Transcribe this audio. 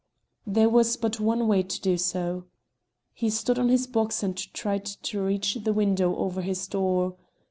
There was but one way to do so. He stood on his box and tried to reach the window over his door.